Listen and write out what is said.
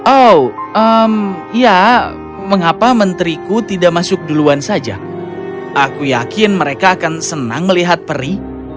oh ya mengapa menteriku tidak masuk duluan saja aku yakin mereka akan senang melihat peri